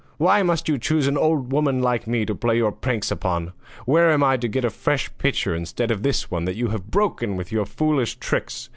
why must you choose an old woman like me to play your pranks upon? Where am I to get a fresh pitcher instead of this one that you have broken with your foolish tricks?